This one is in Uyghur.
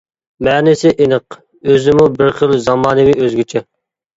مەنىسى ئېنىق، ئۆزىمۇ بىر خىل زامانىۋى، ئۆزگىچە.